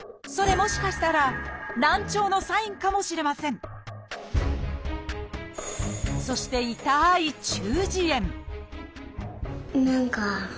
それもしかしたら「難聴」のサインかもしれませんそして痛い「中耳炎」